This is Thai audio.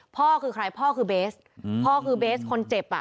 พ่อคือใครพ่อคือเบสพ่อคือเบสคนเจ็บอ่ะ